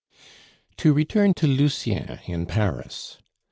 To return to Lucien in Paris.